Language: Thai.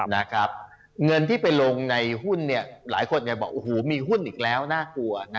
เงินที่ไปลงในหุ้นหลายคนบอกว่ามีหุ้นอีกแล้วน่ากลัว